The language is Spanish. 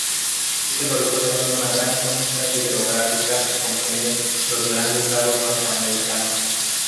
Este golfo drena una gran cuenca hidrográfica que comprende los Grandes Lagos norteamericanos.